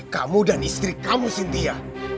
kamu dan istri kamu sintia